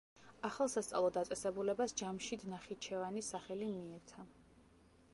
ახალ სასწავლო დაწესებულებას ჯამშიდ ნახიჩევანის სახელი მიეცა.